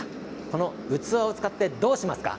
この器を使ってどうしますか？